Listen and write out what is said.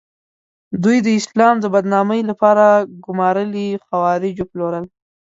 دوی د اسلام د بدنامۍ لپاره ګومارلي خوارج وپلورل.